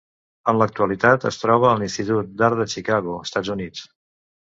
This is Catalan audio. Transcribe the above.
En l'actualitat es troba a l'Institut d'Art de Chicago, Estats Units.